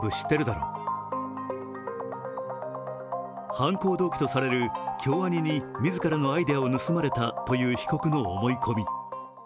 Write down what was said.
犯行動機とされる京アニに自らのアイデアを盗まれたという被告の思い込み。